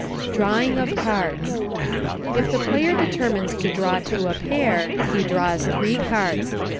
DRAWING OF CARDS. If the player determines to draw to a pair, he draws three cards.